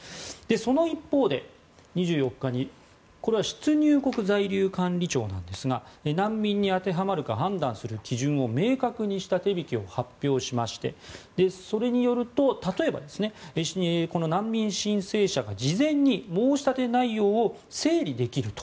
その一方で、２４日にこれは出入国在留管理庁なんですが難民に当てはまるか判断する基準を明確にした手引を発表しましてそれによると例えばこの難民申請者が事前に申し立て内容を整理できると。